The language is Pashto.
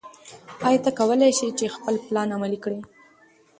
ایا ته کولی شې خپل پلان عملي کړې؟